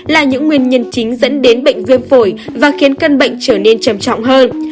là những nguyên nhân chính dẫn đến bệnh viêm phổi và khiến căn bệnh trở nên trầm trọng hơn